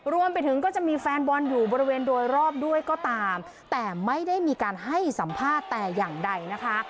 รวมไปถึงก็จะมีแฟนบอลอยู่บริเวณโดยรอบด้วยก็ตามแต่ไม่ได้มีการให้สัมภาษณ์แต่อย่างใดนะคะ